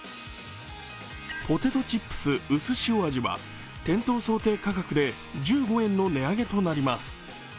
ポテトチップスうすしお味は店頭想定価格で１５円の値上げとなります。